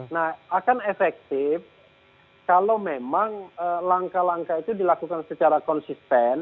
nah akan efektif kalau memang langkah langkah itu dilakukan secara konsisten